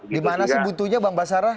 dimana sih buntunya bang basara